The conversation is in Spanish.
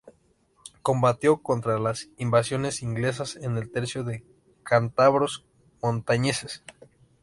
Combatió contra las Invasiones Inglesas en el Tercio de Cántabros Montañeses.